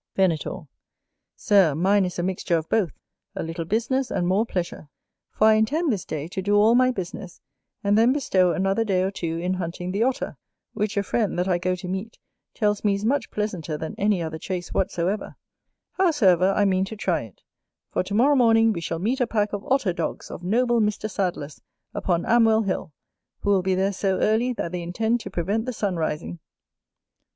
Venator. Sir, mine is a mixture of both, a little business and more pleasure; for I intend this day to do all my business, and then bestow another day or two in hunting the Otter, which a friend, that I go to meet, tells me is much pleasanter than any other chase whatsoever: howsoever, I mean to try it; for to morrow morning we shall meet a pack of Otter dogs of noble Mr. Sadler's, upon Amwell Hill, who will be there so early, that they intend to prevent the sunrising.